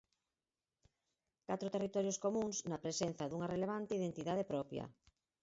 Catro territorios comúns na presenza dunha relevante identidade propia.